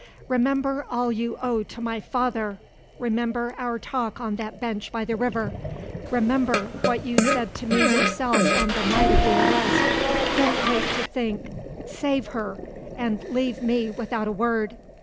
"Remember all you owe to my father remember our talk on that bench by the river remember what you said to me yourself on the night of the arrest don't wait to think save her, and leave me without a word!